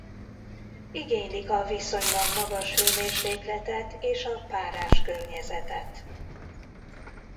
Igénylik a viszonylag magas hőmérsékletet és a párás környezetet.